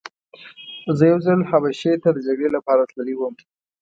زه یو ځل حبشې ته د جګړې لپاره تللی وم.